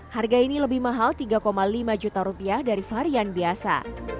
harga ini lebih mahal tiga lima juta rupiah dari varian biasa